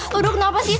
todo kenapa sih